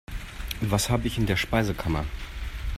Was habe ich in der Speisekammer?